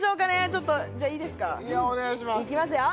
ちょっとじゃいいですかお願いしますいきますよ